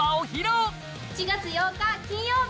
７月８日金曜日！